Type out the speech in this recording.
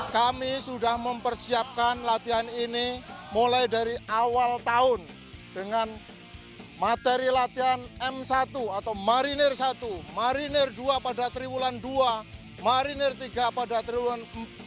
kami sudah mempersiapkan latihan ini mulai dari awal tahun dengan materi latihan m satu atau marinir satu marinir dua pada triwulan dua marinir tiga pada triwulan empat